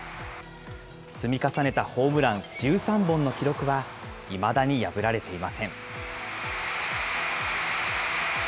積み重ねたホームラン１３本の記録は、いまだに破られていません。